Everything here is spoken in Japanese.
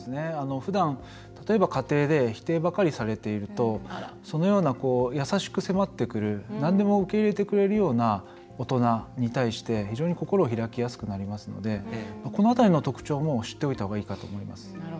ふだん家庭で否定ばかりされているとそのような優しく迫ってくるなんでも受け入れてくれるような大人に対して非常に心を開きやすくなりますのでこの辺りの特徴も知っておいたほうがいいかと思います。